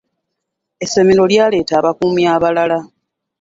Essomero lyaleeta abakuumi abalala.